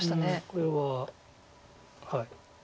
これははい。